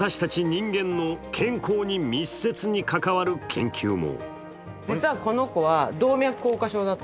人間の健康に密接に関わる研究も。